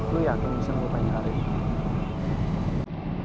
lo yakin bisa ngelupain karir